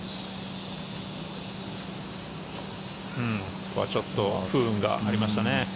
ここはちょっと不運がありましたね。